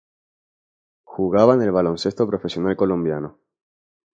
Jugaba en el Baloncesto Profesional Colombiano.